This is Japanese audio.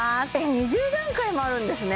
２０段階もあるんですね